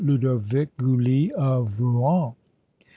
Ludovic Gully of Rouen.